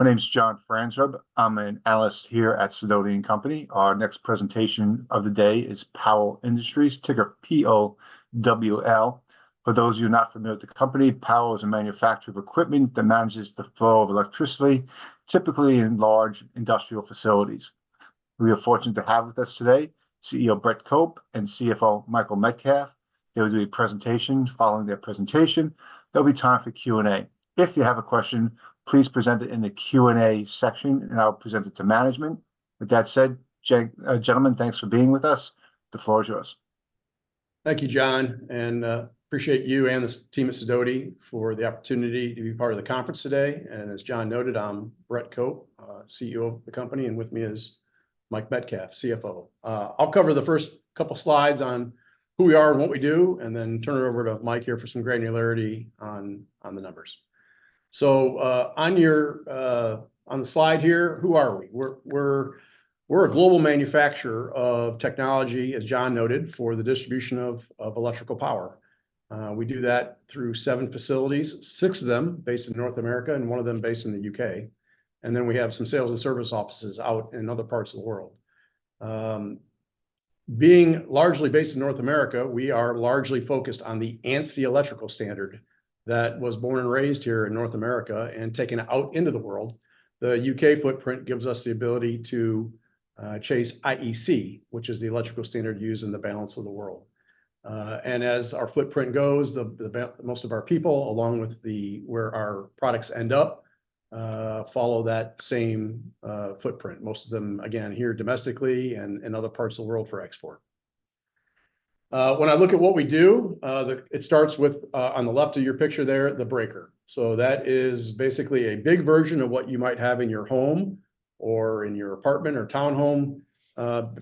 My name's John Franzreb. I'm an analyst here at Sidoti & Company. Our next presentation of the day is Powell Industries, ticker POWL. For those who are not familiar with the company, Powell is a manufacturer of equipment that manages the flow of electricity, typically in large industrial facilities. We are fortunate to have with us today CEO Brett Cope and CFO Michael Metcalf. They will do a presentation. Following their presentation, there'll be time for Q&A. If you have a question, please present it in the Q&A section, and I'll present it to management. With that said, gentlemen, thanks for being with us. The floor is yours. Thank you, John, and appreciate you and the team at Sidoti for the opportunity to be part of the conference today. As John noted, I'm Brett Cope, CEO of the company, and with me is Mike Metcalf, CFO. I'll cover the first couple of slides on who we are and what we do, and then turn it over to Mike here for some granularity on the numbers. On the slide here, who are we? We're a global manufacturer of technology, as John noted, for the distribution of electrical power. We do that through 7 facilities, 6 of them based in North America and 1 of them based in the U.K. Then we have some sales and service offices out in other parts of the world. Being largely based in North America, we are largely focused on the ANSI electrical standard that was born and raised here in North America and taken out into the world. The UK footprint gives us the ability to chase IEC, which is the electrical standard used in the balance of the world. As our footprint goes, most of our people, along with where our products end up, follow that same footprint, most of them, again, here domestically and in other parts of the world for export. When I look at what we do, it starts with, on the left of your picture there, the breaker. So that is basically a big version of what you might have in your home or in your apartment or townhome,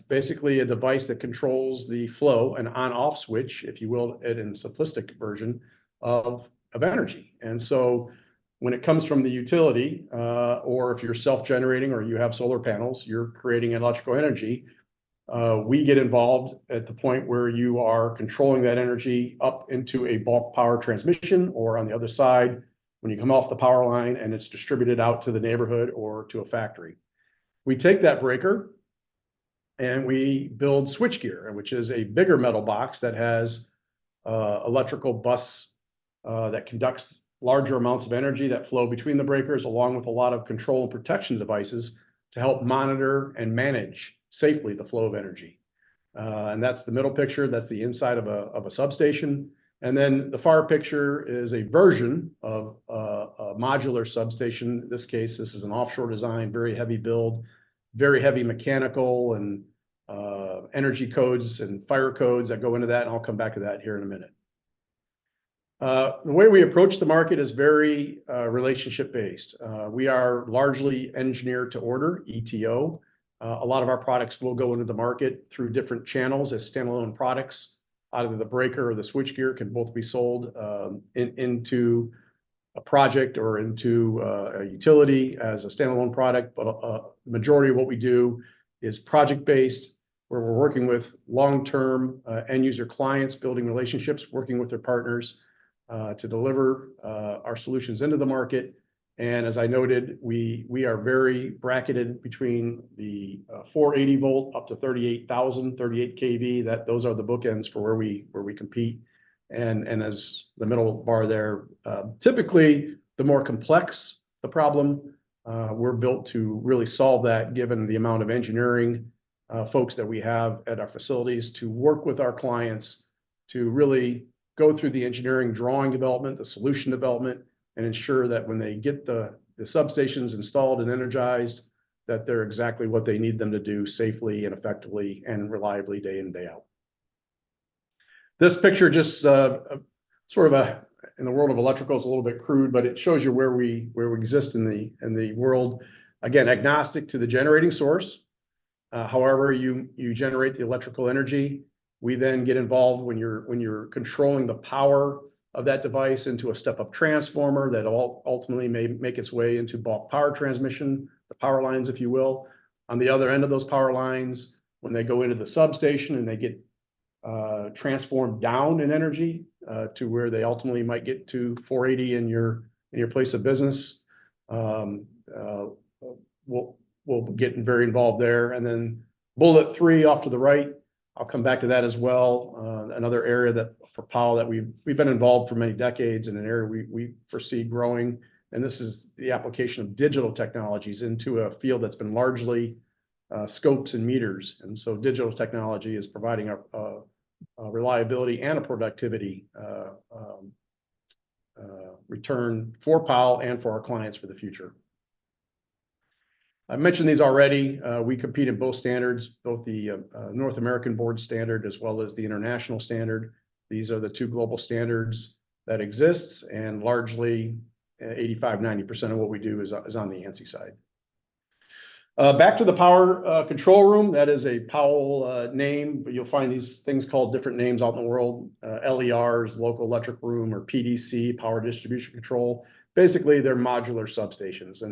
basically a device that controls the flow, an on-off switch, if you will, in a simplistic version of energy. And so when it comes from the utility, or if you're self-generating or you have solar panels, you're creating electrical energy. We get involved at the point where you are controlling that energy up into a bulk power transmission, or on the other side, when you come off the power line and it's distributed out to the neighborhood or to a factory. We take that breaker and we build switchgear, which is a bigger metal box that has electrical buses that conduct larger amounts of energy that flow between the breakers, along with a lot of control and protection devices to help monitor and manage safely the flow of energy. And that's the middle picture. That's the inside of a substation. And then the far picture is a version of a modular substation. In this case, this is an offshore design, very heavy build, very heavy mechanical and energy codes and fire codes that go into that, and I'll come back to that here in a minute. The way we approach the market is very relationship-based. We are largely engineered to order, ETO. A lot of our products will go into the market through different channels as standalone products. Either the breaker or the switchgear can both be sold into a project or into a utility as a standalone product. But the majority of what we do is project-based, where we're working with long-term end-user clients, building relationships, working with their partners to deliver our solutions into the market. And as I noted, we are very bracketed between the 480 volt up to 38,000, 38 kV. Those are the bookends for where we compete. And as the middle bar there, typically, the more complex the problem, we're built to really solve that, given the amount of engineering folks that we have at our facilities to work with our clients, to really go through the engineering drawing development, the solution development, and ensure that when they get the substations installed and energized, that they're exactly what they need them to do safely and effectively and reliably day in and day out. This picture just sort of, in the world of electricals, a little bit crude, but it shows you where we exist in the world, again, agnostic to the generating source. However, you generate the electrical energy. We then get involved when you're controlling the power of that device into a step-up transformer that ultimately may make its way into bulk power transmission, the power lines, if you will. On the other end of those power lines, when they go into the substation and they get transformed down in energy to where they ultimately might get to 480 in your place of business, we'll get very involved there. Then bullet three off to the right, I'll come back to that as well, another area for Powell that we've been involved for many decades and an area we foresee growing. This is the application of digital technologies into a field that's been largely scopes and meters. So digital technology is providing a reliability and a productivity return for Powell and for our clients for the future. I mentioned these already. We compete in both standards, both the North American ANSI standard as well as the international standard. These are the two global standards that exist, and largely, 85%-90% of what we do is on the ANSI side. Back to the Power Control Room. That is a Powell name. You'll find these things called different names out in the world: LERs, Local Equipment Room, or PDC, Power Distribution Center. Basically, they're modular substations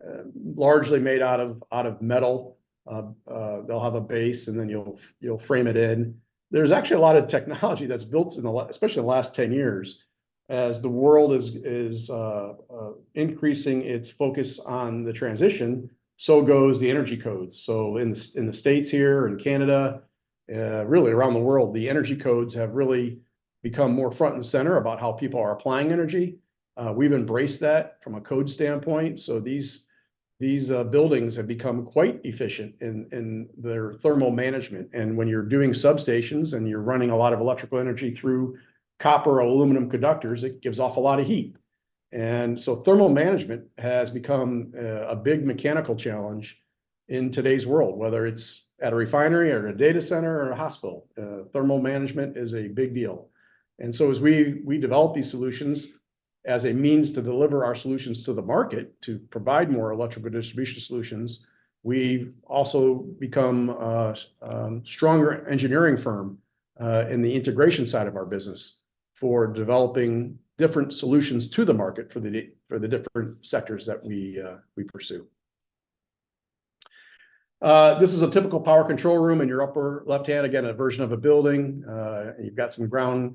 and largely made out of metal. They'll have a base, and then you'll frame it in. There's actually a lot of technology that's built, especially in the last 10 years. As the world is increasing its focus on the transition, so goes the energy codes. So in the States here, in Canada, really around the world, the energy codes have really become more front and center about how people are applying energy. We've embraced that from a code standpoint. So these buildings have become quite efficient in their thermal management. When you're doing substations and you're running a lot of electrical energy through copper or aluminum conductors, it gives off a lot of heat. And so thermal management has become a big mechanical challenge in today's world, whether it's at a refinery or a data center or a hospital. Thermal management is a big deal. And so as we develop these solutions as a means to deliver our solutions to the market, to provide more electrical distribution solutions, we've also become a stronger engineering firm in the integration side of our business for developing different solutions to the market for the different sectors that we pursue. This is a typical Power Control Room in your upper left hand, again, a version of a building. You've got some ground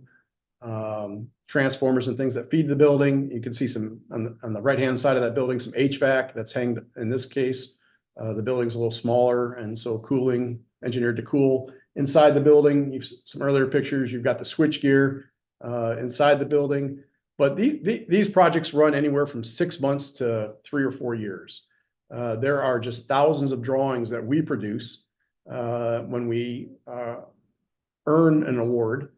transformers and things that feed the building. You can see on the right-hand side of that building, some HVAC that's hung in this case. The building's a little smaller and so cooling, engineered to cool inside the building. Some earlier pictures, you've got the switchgear inside the building. But these projects run anywhere from 6 months to 3 or 4 years. There are just thousands of drawings that we produce when we earn an award.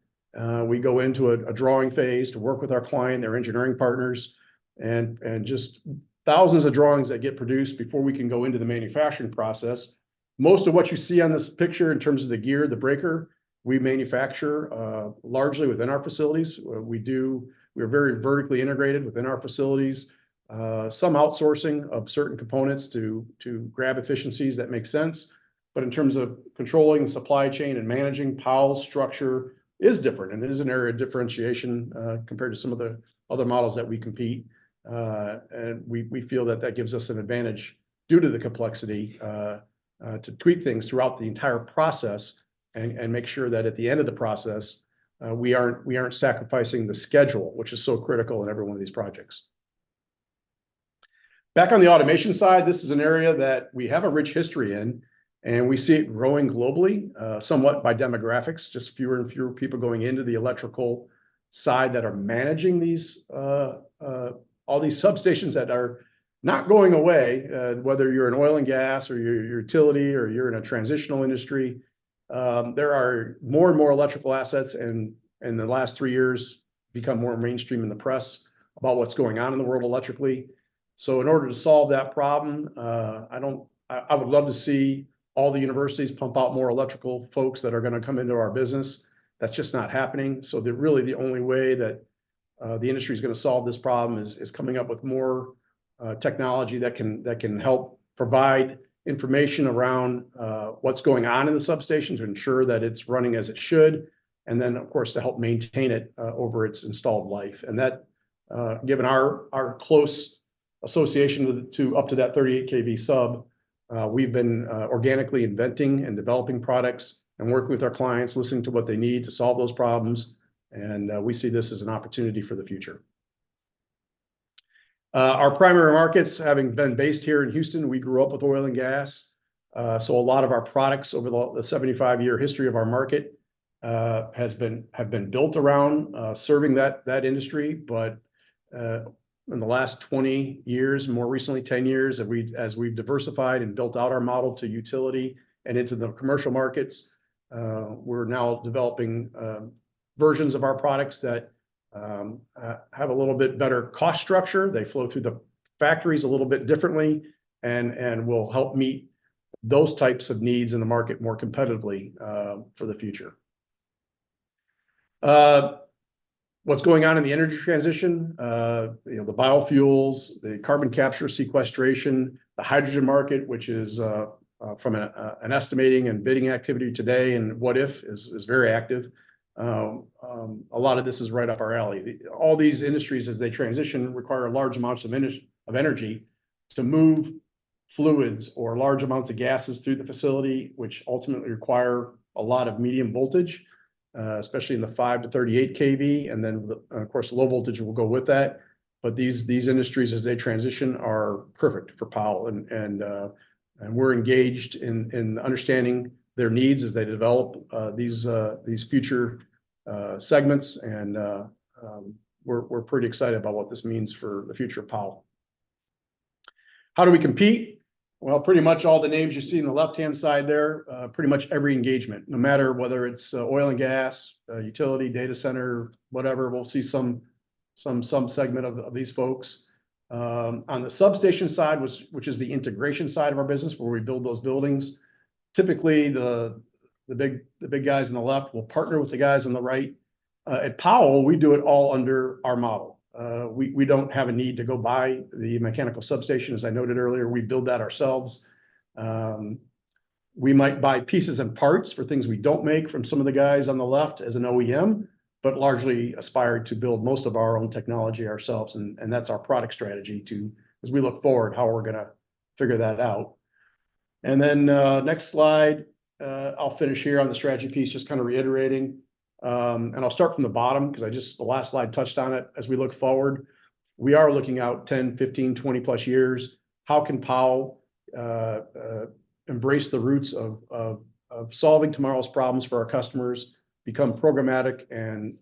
We go into a drawing phase to work with our client, their engineering partners, and just thousands of drawings that get produced before we can go into the manufacturing process. Most of what you see on this picture in terms of the gear, the breaker, we manufacture largely within our facilities. We are very vertically integrated within our facilities. Some outsourcing of certain components to grab efficiencies that make sense. But in terms of controlling the supply chain and managing, Powell's structure is different. It is an area of differentiation compared to some of the other models that we compete. We feel that that gives us an advantage due to the complexity to tweak things throughout the entire process and make sure that at the end of the process, we aren't sacrificing the schedule, which is so critical in every one of these projects. Back on the automation side, this is an area that we have a rich history in, and we see it growing globally, somewhat by demographics, just fewer and fewer people going into the electrical side that are managing all these substations that are not going away, whether you're in oil and gas or you're utility or you're in a transitional industry. There are more and more electrical assets, and in the last three years become more mainstream in the press about what's going on in the world electrically. So in order to solve that problem, I would love to see all the universities pump out more electrical folks that are going to come into our business. That's just not happening. So really, the only way that the industry is going to solve this problem is coming up with more technology that can help provide information around what's going on in the substation to ensure that it's running as it should, and then, of course, to help maintain it over its installed life. And given our close association to up to that 38 kV sub, we've been organically inventing and developing products and working with our clients, listening to what they need to solve those problems. We see this as an opportunity for the future. Our primary markets, having been based here in Houston, we grew up with oil and gas. So a lot of our products over the 75-year history of our market have been built around serving that industry. But in the last 20 years, more recently, 10 years, as we've diversified and built out our model to utility and into the commercial markets, we're now developing versions of our products that have a little bit better cost structure. They flow through the factories a little bit differently and will help meet those types of needs in the market more competitively for the future. What's going on in the energy transition, the biofuels, the carbon capture, sequestration, the hydrogen market, which is from an estimating and bidding activity today and what if is very active. A lot of this is right up our alley. All these industries, as they transition, require large amounts of energy to move fluids or large amounts of gases through the facility, which ultimately require a lot of medium voltage, especially in the 5-38 kV. And then, of course, low voltage will go with that. But these industries, as they transition, are perfect for Powell. And we're engaged in understanding their needs as they develop these future segments. And we're pretty excited about what this means for the future of Powell. How do we compete? Well, pretty much all the names you see on the left-hand side there, pretty much every engagement, no matter whether it's oil and gas, utility, data center, whatever, we'll see some segment of these folks. On the substation side, which is the integration side of our business where we build those buildings, typically, the big guys on the left will partner with the guys on the right. At Powell, we do it all under our model. We don't have a need to go buy the mechanical substation, as I noted earlier. We build that ourselves. We might buy pieces and parts for things we don't make from some of the guys on the left as an OEM, but largely aspire to build most of our own technology ourselves. And that's our product strategy as we look forward, how we're going to figure that out. And then next slide, I'll finish here on the strategy piece, just kind of reiterating. And I'll start from the bottom because I just the last slide touched on it. As we look forward, we are looking out 10, 15, 20+ years. How can Powell embrace the roots of solving tomorrow's problems for our customers, become programmatic and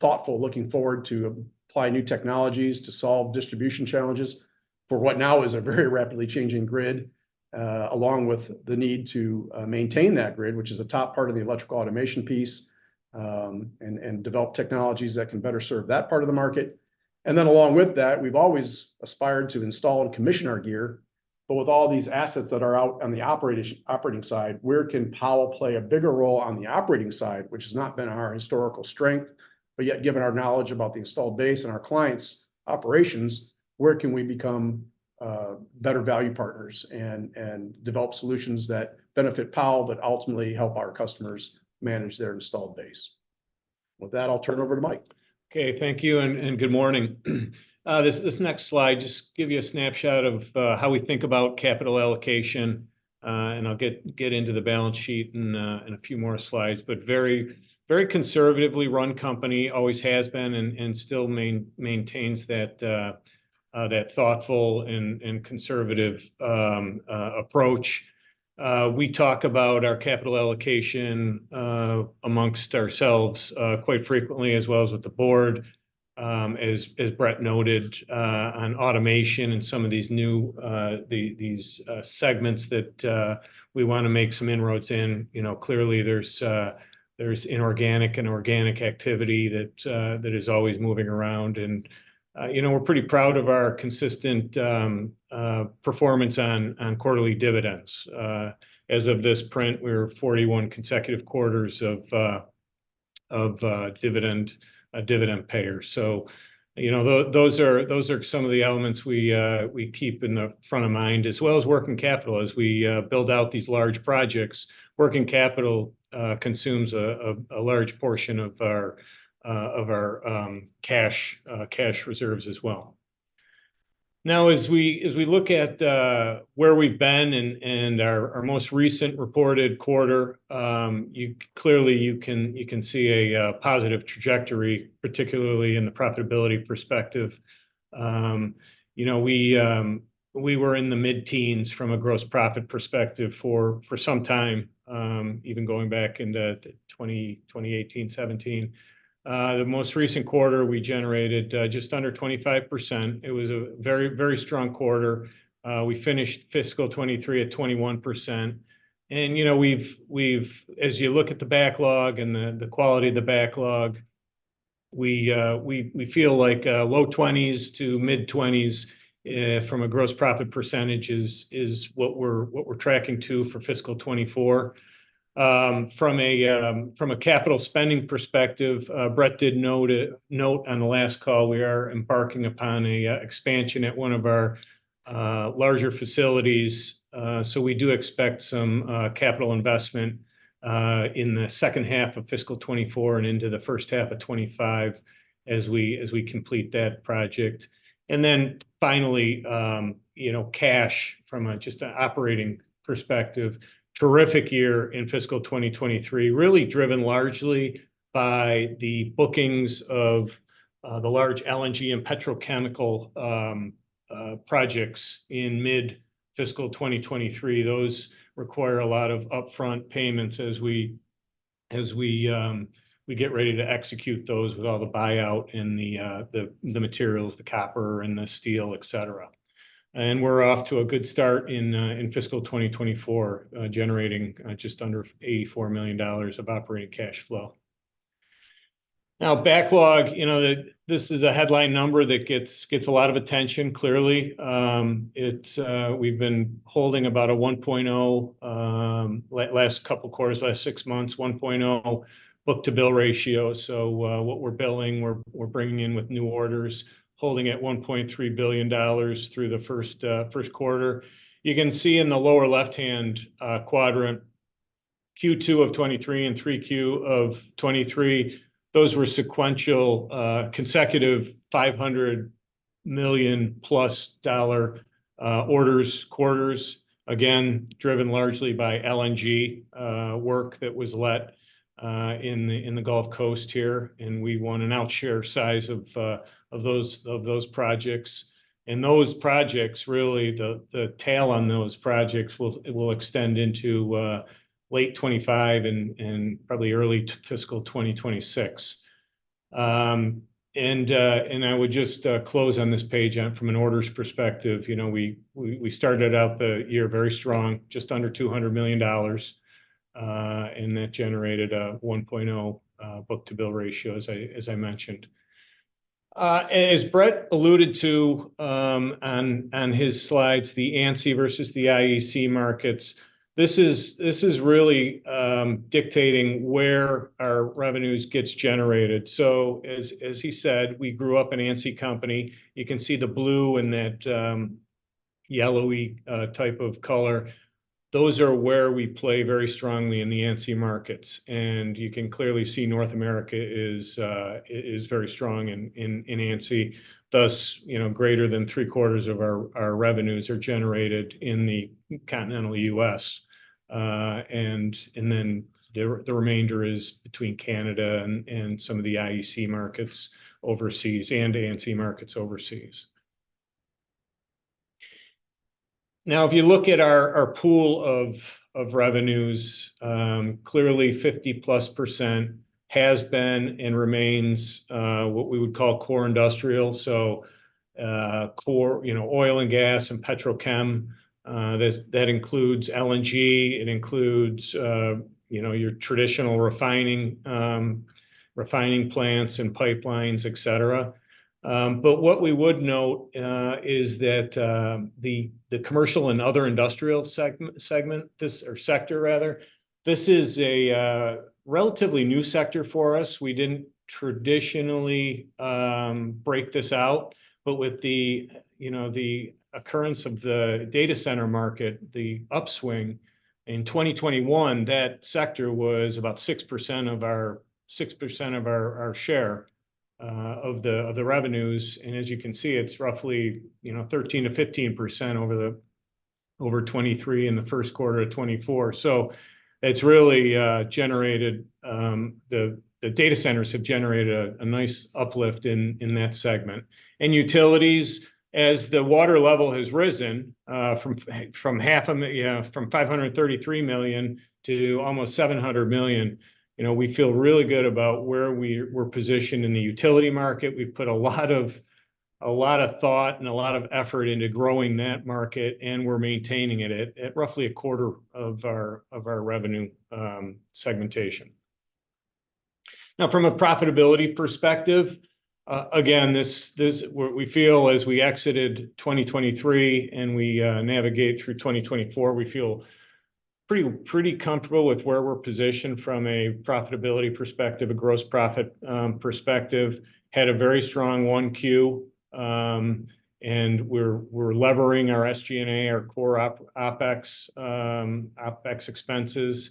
thoughtful looking forward to apply new technologies to solve distribution challenges for what now is a very rapidly changing grid, along with the need to maintain that grid, which is the top part of the electrical automation piece, and develop technologies that can better serve that part of the market? And then along with that, we've always aspired to install and commission our gear. But with all these assets that are out on the operating side, where can Powell play a bigger role on the operating side, which has not been our historical strength? But yet, given our knowledge about the installed base and our clients' operations, where can we become better value partners and develop solutions that benefit Powell but ultimately help our customers manage their installed base? With that, I'll turn over to Mike. Okay. Thank you. And good morning. This next slide just gives you a snapshot of how we think about capital allocation. And I'll get into the balance sheet in a few more slides. But very conservatively run company, always has been and still maintains that thoughtful and conservative approach. We talk about our capital allocation among ourselves quite frequently, as well as with the board. As Brett noted on automation and some of these new segments that we want to make some inroads in, clearly, there's inorganic and organic activity that is always moving around. And we're pretty proud of our consistent performance on quarterly dividends. As of this print, we're 41 consecutive quarters of dividend payers. Those are some of the elements we keep in the front of mind, as well as working capital. As we build out these large projects, working capital consumes a large portion of our cash reserves as well. Now, as we look at where we've been and our most recent reported quarter, clearly, you can see a positive trajectory, particularly in the profitability perspective. We were in the mid-teens from a gross profit perspective for some time, even going back into 2018, 2017. The most recent quarter, we generated just under 25%. It was a very, very strong quarter. We finished fiscal 2023 at 21%. As you look at the backlog and the quality of the backlog, we feel like low 20s to mid-20s from a gross profit percentage is what we're tracking to for fiscal 2024. From a capital spending perspective, Brett did note on the last call, we are embarking upon an expansion at one of our larger facilities. So we do expect some capital investment in the second half of fiscal 2024 and into the first half of 2025 as we complete that project. And then finally, cash from just an operating perspective, terrific year in fiscal 2023, really driven largely by the bookings of the large LNG and petrochemical projects in mid-fiscal 2023. Those require a lot of upfront payments as we get ready to execute those with all the buyout and the materials, the copper and the steel, etc. And we're off to a good start in fiscal 2024, generating just under $84 million of operating cash flow. Now, backlog, this is a headline number that gets a lot of attention, clearly. We've been holding about a 1.0 last couple quarters, last six months, 1.0 book-to-bill ratio. So what we're billing, we're bringing in with new orders, holding at $1.3 billion through the first quarter. You can see in the lower left-hand quadrant, Q2 of 2023 and 3Q of 2023, those were sequential, consecutive $500 million-plus orders, quarters, again, driven largely by LNG work that was let in the Gulf Coast here. And we won an outsize share of those projects. And those projects, really, the tail on those projects will extend into late 2025 and probably early fiscal 2026. And I would just close on this page from an orders perspective. We started out the year very strong, just under $200 million, and that generated a 1.0 book-to-bill ratio, as I mentioned. As Brett alluded to on his slides, the ANSI versus the IEC markets, this is really dictating where our revenues get generated. So as he said, we grew up an ANSI company. You can see the blue and that yellowy type of color. Those are where we play very strongly in the ANSI markets. And you can clearly see North America is very strong in ANSI. Thus, greater than three-quarters of our revenues are generated in the continental US. And then the remainder is between Canada and some of the IEC markets overseas and ANSI markets overseas. Now, if you look at our pool of revenues, clearly, 50%+ has been and remains what we would call core industrial. So oil and gas and petrochem, that includes LNG. It includes your traditional refining plants and pipelines, etc. But what we would note is that the commercial and other industrial segment, or sector, rather, this is a relatively new sector for us. We didn't traditionally break this out. But with the occurrence of the data center market, the upswing in 2021, that sector was about 6% of our share of the revenues. And as you can see, it's roughly 13%-15% over 2023 and the first quarter of 2024. So it's really generated the data centers have generated a nice uplift in that segment. And utilities, as the water level has risen from $533 million to almost $700 million, we feel really good about where we're positioned in the utility market. We've put a lot of thought and a lot of effort into growing that market, and we're maintaining it at roughly a quarter of our revenue segmentation. Now, from a profitability perspective, again, we feel as we exited 2023 and we navigate through 2024, we feel pretty comfortable with where we're positioned from a profitability perspective, a gross profit perspective. Had a very strong 1Q, and we're levering our SG&A, our core OPEX expenses.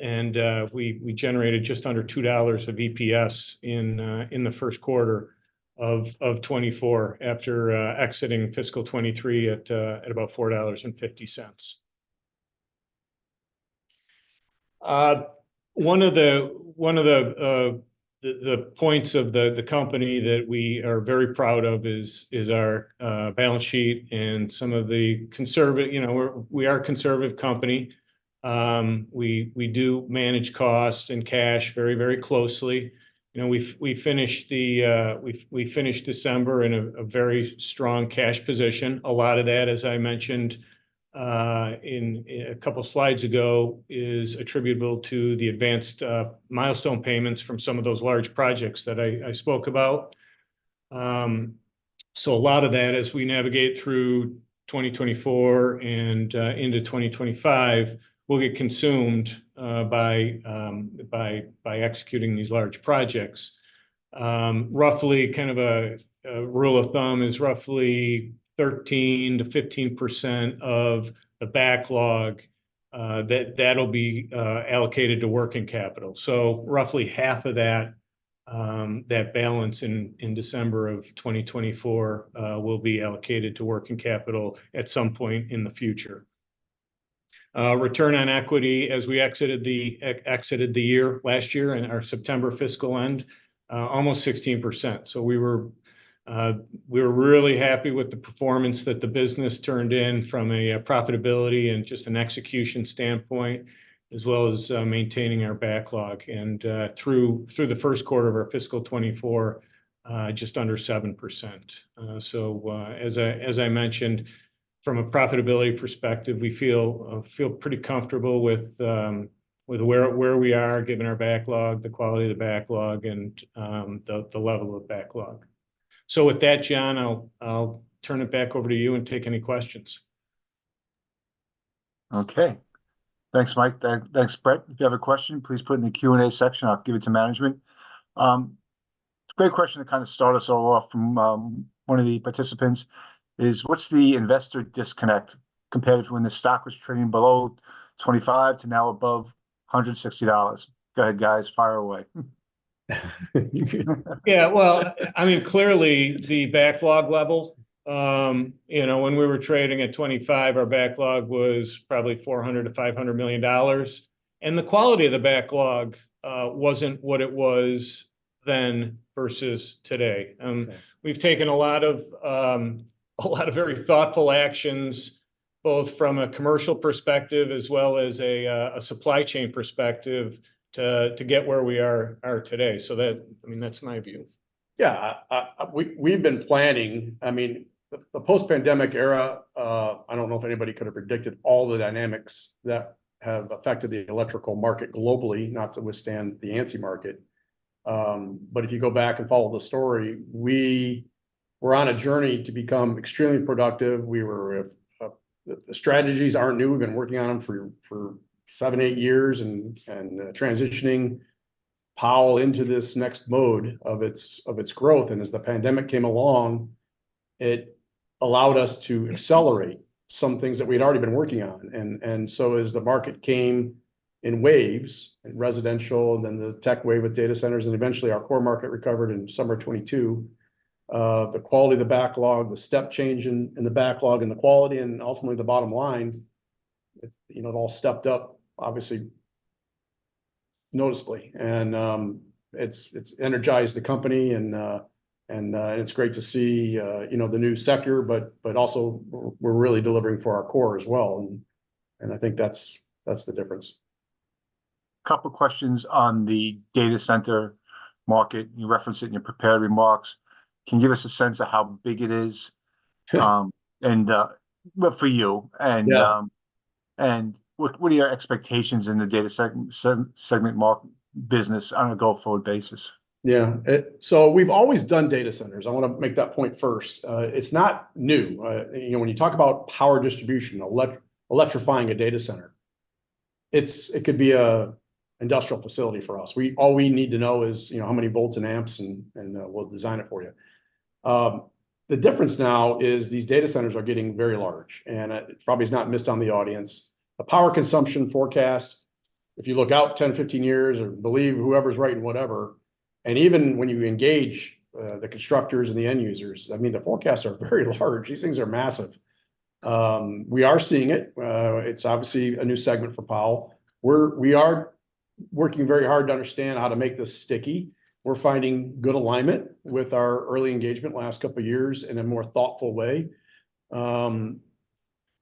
And we generated just under $2 of EPS in the first quarter of 2024 after exiting fiscal 2023 at about $4.50. One of the points of the company that we are very proud of is our balance sheet and some of the conservative we are a conservative company. We do manage cost and cash very, very closely. We finished December in a very strong cash position. A lot of that, as I mentioned a couple slides ago, is attributable to the advanced milestone payments from some of those large projects that I spoke about. So a lot of that, as we navigate through 2024 and into 2025, will get consumed by executing these large projects. Roughly, kind of a rule of thumb is roughly 13%-15% of the backlog that'll be allocated to working capital. So roughly half of that balance in December of 2024 will be allocated to working capital at some point in the future. Return on equity as we exited the year last year and our September fiscal end, almost 16%. So we were really happy with the performance that the business turned in from a profitability and just an execution standpoint, as well as maintaining our backlog. And through the first quarter of our fiscal 2024, just under 7%. So as I mentioned, from a profitability perspective, we feel pretty comfortable with where we are, given our backlog, the quality of the backlog, and the level of backlog. So with that, John, I'll turn it back over to you and take any questions. Okay. Thanks, Mike. Thanks, Brett. If you have a question, please put it in the Q&A section. I'll give it to management. Great question to kind of start us all off from one of the participants is, what's the investor disconnect compared to when the stock was trading below $25 to now above $160? Go ahead, guys. Fire away. Yeah. Well, I mean, clearly, the backlog level. When we were trading at $25, our backlog was probably $400-$500 million. And the quality of the backlog wasn't what it was then versus today. We've taken a lot of very thoughtful actions, both from a commercial perspective as well as a supply chain perspective, to get where we are today. So I mean, that's my view. Yeah. We've been planning. I mean, the post-pandemic era, I don't know if anybody could have predicted all the dynamics that have affected the electrical market globally, notwithstanding the ANSI market. But if you go back and follow the story, we're on a journey to become extremely productive. The strategies aren't new. We've been working on them for seven, eight years and transitioning Powell into this next mode of its growth. And as the pandemic came along, it allowed us to accelerate some things that we'd already been working on. And so as the market came in waves, residential and then the tech wave with data centers and eventually our core market recovered in summer 2022, the quality of the backlog, the step change in the backlog and the quality and ultimately the bottom line, it all stepped up, obviously, noticeably. And it's energized the company. It's great to see the new sector, but also we're really delivering for our core as well. And I think that's the difference. A couple questions on the data center market. You referenced it in your prepared remarks. Can you give us a sense of how big it is for you? And what are your expectations in the data segment business on a go-forward basis? Yeah. So we've always done data centers. I want to make that point first. It's not new. When you talk about power distribution, electrifying a data center, it could be an industrial facility for us. All we need to know is how many volts and amps, and we'll design it for you. The difference now is these data centers are getting very large. And it probably is not missed on the audience. The power consumption forecast, if you look out 10 or 15 years or believe whoever's right and whatever, and even when you engage the constructors and the end users, I mean, the forecasts are very large. These things are massive. We are seeing it. It's obviously a new segment for Powell. We are working very hard to understand how to make this sticky. We're finding good alignment with our early engagement last couple of years in a more thoughtful way.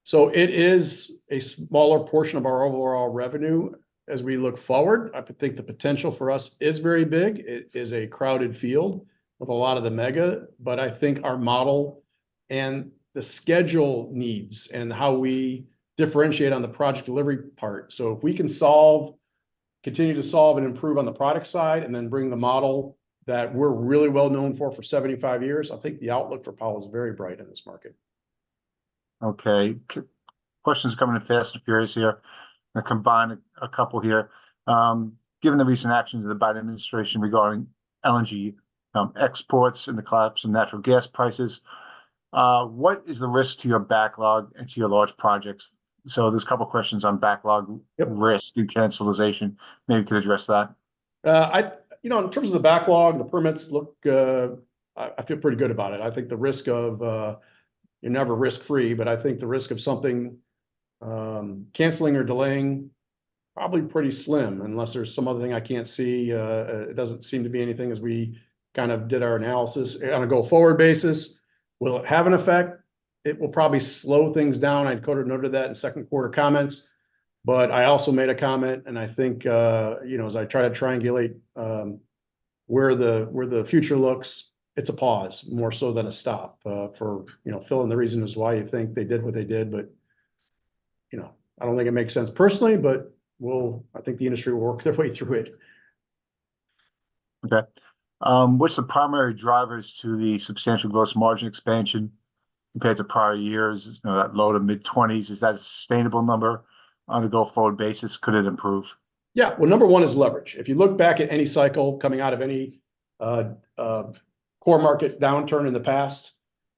So it is a smaller portion of our overall revenue as we look forward. I think the potential for us is very big. It is a crowded field with a lot of the mega. But I think our model and the schedule needs and how we differentiate on the project delivery part. So if we can continue to solve and improve on the product side and then bring the model that we're really well known for for 75 years, I think the outlook for Powell is very bright in this market. Okay. Questions coming in fast and furious here. I'm going to combine a couple here. Given the recent actions of the Biden administration regarding LNG exports and the collapse of natural gas prices, what is the risk to your backlog and to your large projects? So there's a couple of questions on backlog risk, the cancellations. Maybe you could address that. In terms of the backlog, the permits look, I feel pretty good about it. I think the risk of you're never risk-free, but I think the risk of something canceling or delaying, probably pretty slim unless there's some other thing I can't see. It doesn't seem to be anything as we kind of did our analysis. On a go-forward basis, will it have an effect? It will probably slow things down. I'd quote or note it at that in second quarter comments. But I also made a comment, and I think as I try to triangulate where the future looks, it's a pause more so than a stop for I feel and the reasons why you think they did what they did. But I don't think it makes sense personally, but I think the industry will work their way through it. Okay. What's the primary drivers to the substantial gross margin expansion compared to prior years, that low- to mid-20s? Is that a sustainable number on a go-forward basis? Could it improve? Yeah. Well, number one is leverage. If you look back at any cycle coming out of any core market downturn in the past,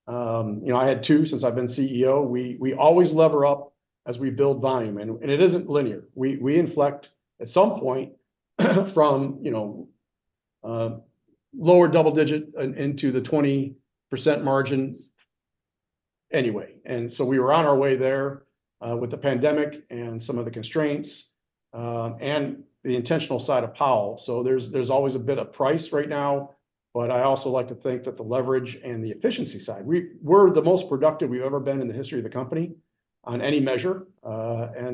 I had two since I've been CEO. We always lever up as we build volume. It isn't linear. We inflect at some point from lower double-digit into the 20% margin anyway. So we were on our way there with the pandemic and some of the constraints and the intentional side of Powell. There's always a bit of price right now. But I also like to think that the leverage and the efficiency side, we're the most productive we've ever been in the history of the company on any measure.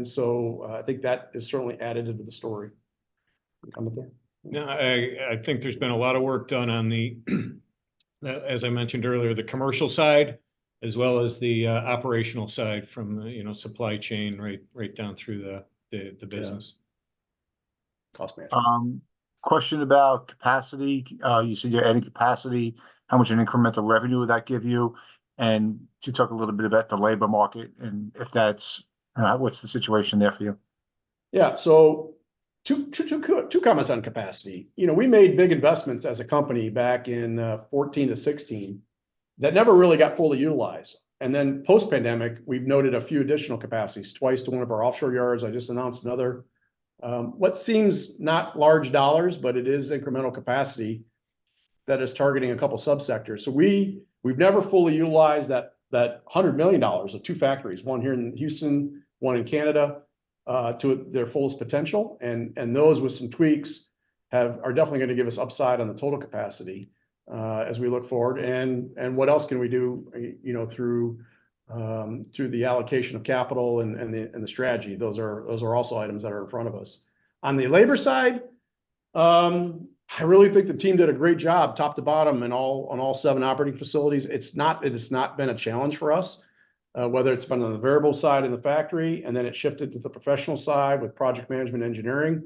So I think that is certainly added into the story. Can you comment there? No. I think there's been a lot of work done on the, as I mentioned earlier, the commercial side as well as the operational side from supply chain right down through the business cost management. Question about capacity. You said you're adding capacity. How much of an incremental revenue would that give you? And you talked a little bit about the labor market and if that's what's the situation there for you. Yeah. So two comments on capacity. We made big investments as a company back in 2014 to 2016 that never really got fully utilized. And then post-pandemic, we've noted a few additional capacities. Twice to one of our offshore yards. I just announced another. What seems not large dollars, but it is incremental capacity that is targeting a couple of subsectors. So we've never fully utilized that $100 million of two factories, one here in Houston, one in Canada, to their fullest potential. And those with some tweaks are definitely going to give us upside on the total capacity as we look forward. And what else can we do through the allocation of capital and the strategy? Those are also items that are in front of us. On the labor side, I really think the team did a great job top to bottom on all seven operating facilities. It's not been a challenge for us, whether it's been on the variable side in the factory and then it shifted to the professional side with project management engineering.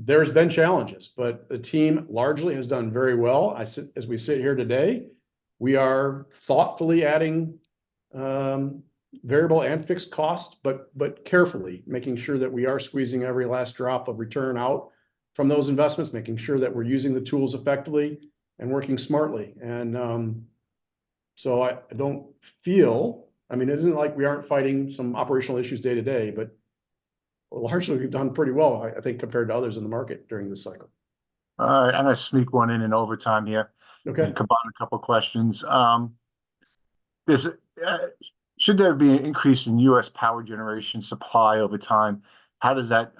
There's been challenges, but the team largely has done very well. As we sit here today, we are thoughtfully adding variable and fixed costs, but carefully, making sure that we are squeezing every last drop of return out from those investments, making sure that we're using the tools effectively and working smartly. And so I don't feel I mean, it isn't like we aren't fighting some operational issues day to day, but largely, we've done pretty well, I think, compared to others in the market during this cycle. All right. I'm going to sneak one in in overtime here and combine a couple of questions. Should there be an increase in U.S. power generation supply over time, how does that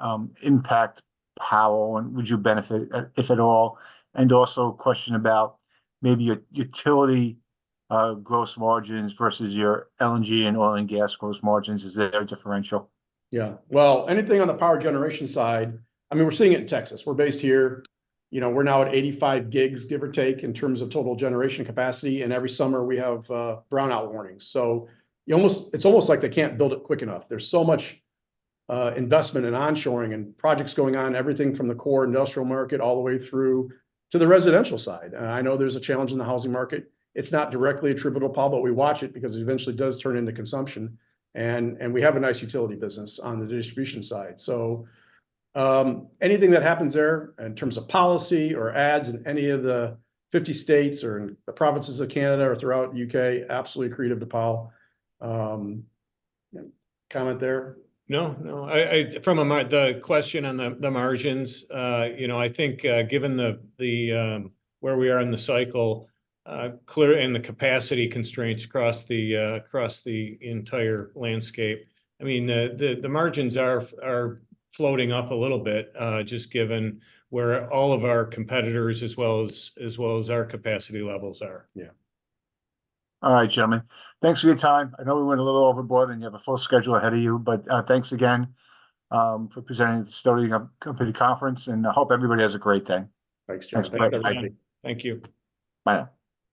impact Powell, and would you benefit, if at all? And also a question about maybe your utility gross margins versus your LNG and oil and gas gross margins. Is there a differential? Yeah. Well, anything on the power generation side, I mean, we're seeing it in Texas. We're based here. We're now at 85 gigs, give or take, in terms of total generation capacity. And every summer, we have brownout warnings. So it's almost like they can't build it quick enough. There's so much investment in onshoring and projects going on, everything from the core industrial market all the way through to the residential side. And I know there's a challenge in the housing market. It's not directly attributable to Powell, but we watch it because it eventually does turn into consumption. And we have a nice utility business on the distribution side. So anything that happens there in terms of policy or acts in any of the 50 states or in the provinces of Canada or throughout the U.K., absolutely accretive to Powell. Comment there? No. No. From the question on the margins, I think given where we are in the cycle and the capacity constraints across the entire landscape, I mean, the margins are floating up a little bit just given where all of our competitors as well as our capacity levels are. Yeah. All right, gentlemen. Thanks for your time. I know we went a little overboard, and you have a full schedule ahead of you. But thanks again for presenting at this Sidoti & Company conference. And I hope everybody has a great day. Thanks, John. Thanks, Mike. Thank you. Bye.